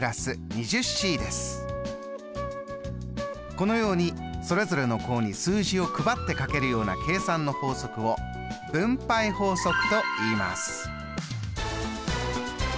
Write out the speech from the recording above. このようにそれぞれの項に数字を配ってかけるような計算の法則を「分配法則」といいます。